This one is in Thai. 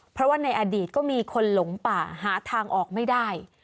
เพราะว่าในอดีตก็มีคนหลงป่าหาทางออกไม่ได้